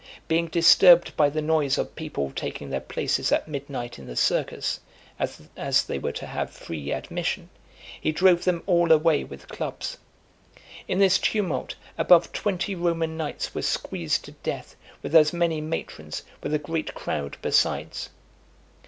Being disturbed by the noise of people taking their places at midnight in the circus, as they were to have free admission, he drove them all away with clubs. In this tumult, above twenty Roman knights were squeezed to death, with as many matrons, with a great crowd besides.